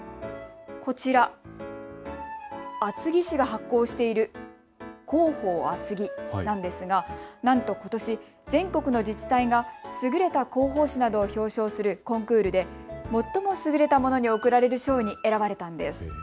こちら、厚木市が発行している広報あつぎなんですが、なんとことし、全国の自治体が優れた広報紙などを表彰するコンクールで最も優れたものに贈られる賞に選ばれたんです。